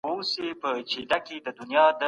افغان ماشومان عادلانه محکمې ته اسانه لاسرسی نه لري.